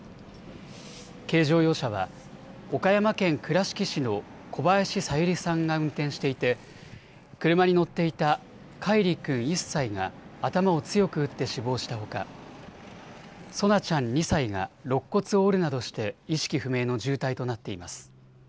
軽乗用車は岡山県倉敷市の小林小百合さんが運転していて、車に乗っていた叶一里君１歳が頭を強く打って死亡したほか、蒼菜ちゃん２歳が肋骨を折るなどして意識不明の重体となっています。